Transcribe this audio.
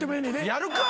やるか！